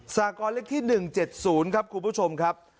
สากรเลขที่๑๗๐ครับคุณผู้ชมครับ